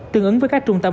tương ứng với các trung tâm